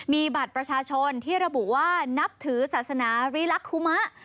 มีบัตรประชาชนที่ระบุว่านับถือศาสนารีลักษุมะ